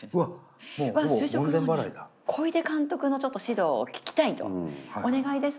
小出監督のちょっと指導を聞きたいと。